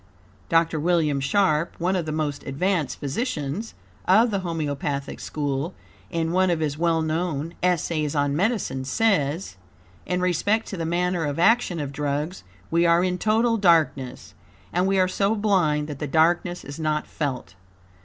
Dr. William Sharp, one of the most advanced physicians of the Homeopathic school, in one of his well known "Essays on Medicine," says: "In respect to the manner of action of drugs we are in total darkness, and we are so blind that the darkness is not felt.